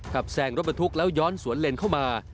แซงรถบรรทุกแล้วย้อนสวนเลนเข้ามา